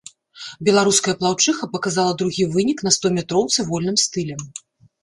Беларуская плыўчыха паказала другі вынік на стометроўцы вольным стылем.